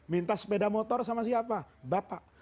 minta sepeda motor sama siapa bapak